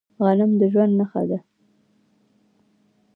غنم د ژوند نښه ده.